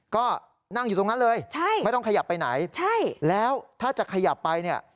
ก็นั่งอยู่ตรงนั้นเลยไม่ต้องขยับไปไหนแล้วถ้าจะขยับไป